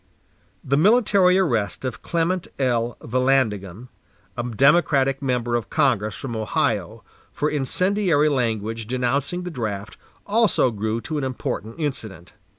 The military arrest of Clement L. Vallandigham, a Democratic member of Congress from Ohio, for incendiary language denouncing the draft, also grew to an important incident.